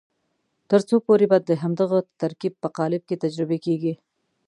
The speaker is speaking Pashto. تر څو پورې به د همدغه ترکیب په قالب کې تجربې کېږي.